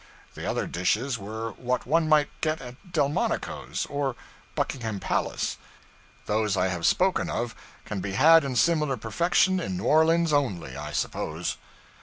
The other dishes were what one might get at Delmonico's, or Buckingham Palace; those I have spoken of can be had in similar perfection in New Orleans only, I suppose.